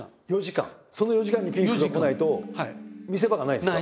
その４時間にピークがこないと見せ場がないんですか？